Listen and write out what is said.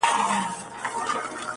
د بوډا وو یو لمسی اته کلن وو.!